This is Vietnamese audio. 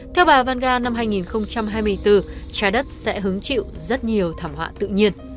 theo bà vanga năm hai nghìn hai mươi bốn trái đất sẽ hứng chịu rất nhiều thảm họa tự nhiên